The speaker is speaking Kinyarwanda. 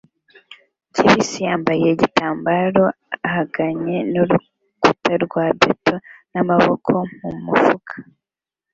kibisi yambaye igitambaro ahanganye nurukuta rwa beto n'amaboko mumufuka